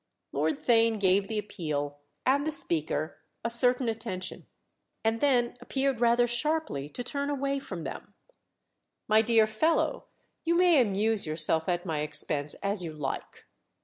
Lord Theign gave the appeal—and the speaker—a certain attention, and then appeared rather sharply to turn away from them. "My dear fellow, you may amuse yourself at my expense as you like!"